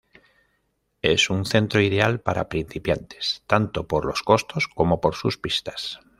Es un centro ideal para principiantes, tanto por los costos como por sus pistas.